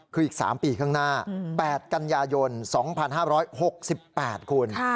คืออีก๓ปีข้างหน้า๘กันยายน๒๕๖๘คุณ